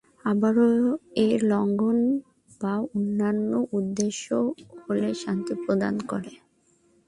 আবার এর লঙ্ঘন বা অন্যান্য উদ্দেশ্য হলে শাস্তি প্রদান করে।